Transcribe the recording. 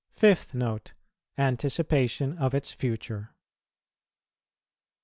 FIFTH NOTE. ANTICIPATION OF ITS FUTURE.